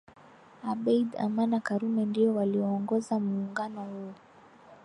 Abeid Amana Karume ndio walioongoza muungano huu